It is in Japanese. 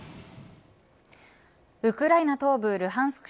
ウクライナ東部ルハンスク